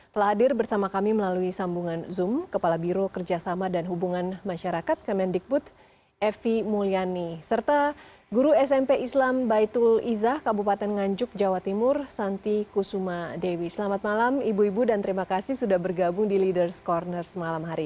kita akan mencari tahu dari pemerintah di jawa tenggara